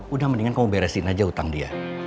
udah mendingan kamu beresin aja utang dia